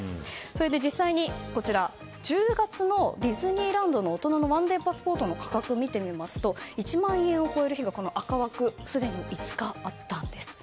実際に、１０月のディズニーランドの大人の１デーパスポートの価格を見てみますと１万円を超える日が赤枠の日がすでに５日あったんです。